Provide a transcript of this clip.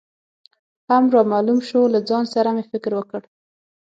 هم رامعلوم شو، له ځان سره مې فکر وکړ.